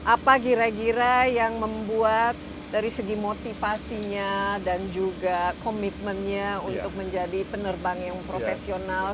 apa kira kira yang membuat dari segi motivasinya dan juga komitmennya untuk menjadi penerbang yang profesional